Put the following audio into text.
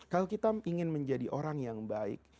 kalau kita ingin menjadi orang yang baik